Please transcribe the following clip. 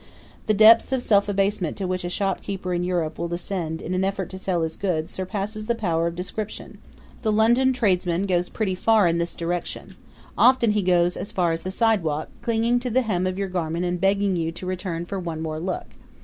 The depths of self abasement to which a shopkeeper in Europe will descend in an effort to sell his goods surpasses the power of description. The London tradesman goes pretty far in this direction. Often he goes as far as the sidewalk, clinging to the hem of your garment and begging you to return for one more look.